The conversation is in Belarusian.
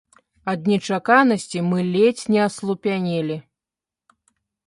Ад нечаканасці мы ледзь не аслупянелі.